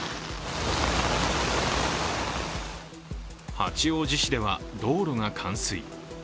八王子市では道路が冠水。